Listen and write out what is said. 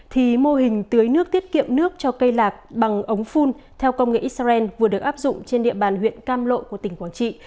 thì mô hình tưới nước tiết kiệm nước cho cây lạc bằng ống phun theo công nghệ israel vừa được áp dụng trên địa bàn huyện cam lộ của tỉnh quảng trị